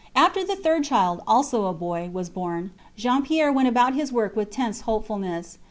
After the third child, also a boy, was born, Jean Pierre went about his work with tense hopefulness.